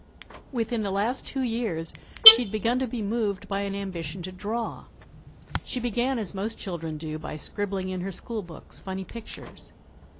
Within the last two years she had begun to be moved by an ambition to draw. She began as most children do by scribbling in her school books, funny pictures.